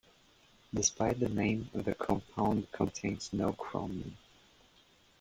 Despite the name, the compound contains no chromium.